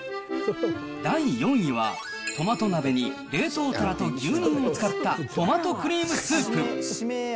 第４位は、トマト鍋に、冷凍たらと牛乳を使ったトマトクリームスープ。